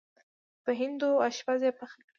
په هندو اشپز یې پخه کړې.